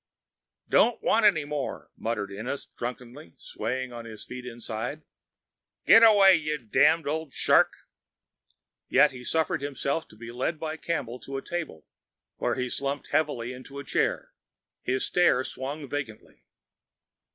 "Don't want any more," muttered Ennis drunkenly, swaying on his feet inside. "Get away, you damned old shark." Yet he suffered himself to be led by Campbell to a table, where he slumped heavily into a chair. His stare swung vacantly.